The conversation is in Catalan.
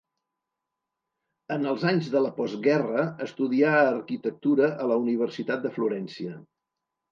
En els anys de la postguerra estudià arquitectura a la Universitat de Florència.